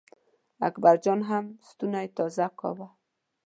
اکبر جان هم ستونی تازه کاوه.